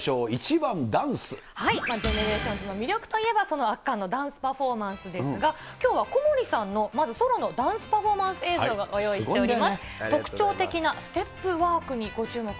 ＧＥＮＥＲＡＴＩＯＮＳの魅力といえば、その圧巻のダンスパフォーマンスですが、きょうは小森さんの、まずソロのダンスパフォーマンス映像をご用意しております。